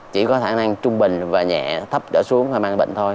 chỉ có khả năng trung bình và nhẹ thấp đỡ xuống và mang bệnh thôi